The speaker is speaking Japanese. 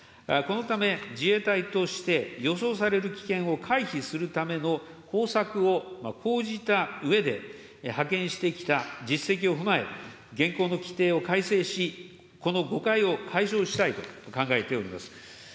このため、自衛隊として予想される危険を回避するための方策を講じたうえで、派遣してきた実績を踏まえ、現行の規定を改正し、この誤解を解消したいと考えております。